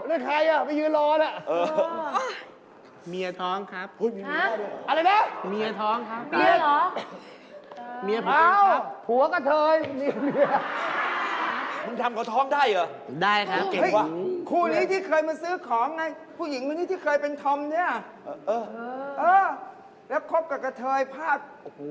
เออแล้วครบกับเธอย้ายพลาด